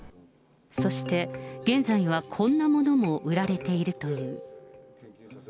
そして、現在はこんなものも売られているという。